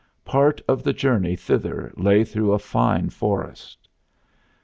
Part of the journey thither lay through a fine forest.